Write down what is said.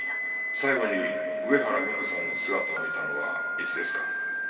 最後に上原美帆さんの姿を見たのはいつですか？